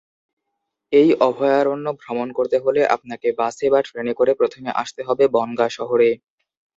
এই অভয়ারণ্য ভ্রমণ করতে হলে আপনাকে বাসে বা ট্রেনে করে প্রথমে আসতে হবে বনগাঁ শহরে।